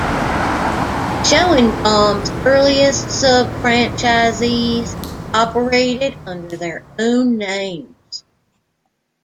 Schoenbaum's earliest subfranchisees operated under their own names.